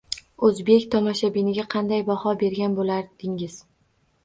O‘zbek tomoshabiniga qanday baho bergan bo‘lardingiz?